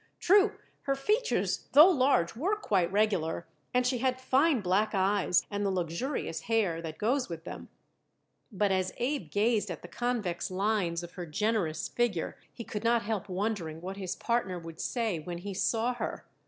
True, her features, though large, were quite regular, and she had fine black eyes and the luxurious hair that goes with them; but as Abe gazed at the convex lines of her generous figure he could not help wondering what his partner would say when he saw her.